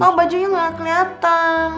kalo bajunya gak keliatan